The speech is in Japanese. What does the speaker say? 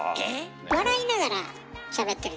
笑いながらしゃべってるでしょ？